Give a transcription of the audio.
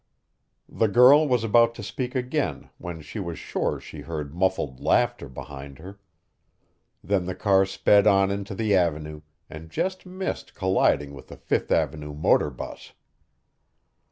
The girl was about to speak again when she was sure she heard muffled laughter behind her. Then the car sped on into the avenue and just missed colliding with a Fifth avenue motor 'bus.